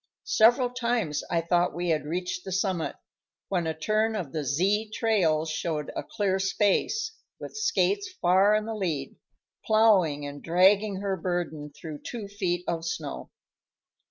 Several times I thought we had reached the summit, when a turn of the Z trail showed a clear space, with Skates far in the lead, ploughing and dragging her burden through two feet of snow.